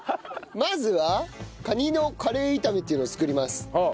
まずはカニのカレー炒めっていうのを作ります。